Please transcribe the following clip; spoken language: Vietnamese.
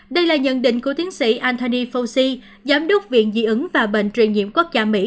đây là nhận định của tiến sĩ anthony fauci giám đốc viện dị ứng và bệnh truyền nhiễm quốc gia mỹ